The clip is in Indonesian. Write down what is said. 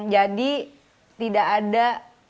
jadi tidak ada